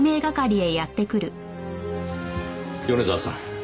米沢さん。